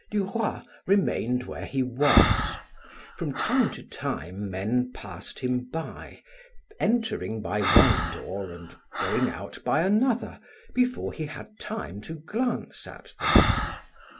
Duroy remained where he was; from time to time men passed him by, entering by one door and going out by another before he had time to glance at them.